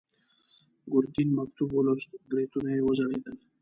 ګرګين مکتوب ولوست، برېتونه يې وځړېدل.